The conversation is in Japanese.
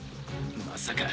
まさか。